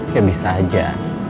gak bisa aja